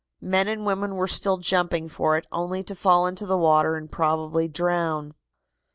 Men and women were still jumping for it, only to fall into the water and probably drown."